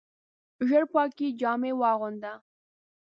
ژر پاکي جامې واغونده !